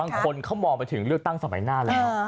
บางคนเขามองไปถึงเลือกตั้งสมัยหน้าแล้ว